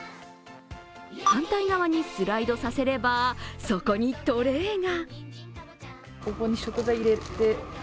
反対側にスライドさせれば、そこにトレーが。